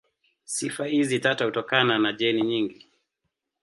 Sifa hizi tata hutokana na jeni nyingi.